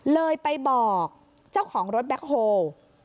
เลยไปบอกเจ้าของรถแบ็คโฮล์